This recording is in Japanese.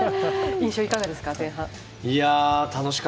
印象いかがですか？